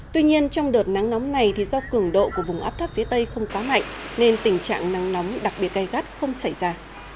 tuy nhiên trong đợt nắng nóng này thì do cường độ của vùng áp thấp phía tây không quá mạnh nên tình trạng nắng nóng đặc biệt gai gắt không xảy ra